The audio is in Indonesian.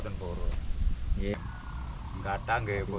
tidak ada apa apa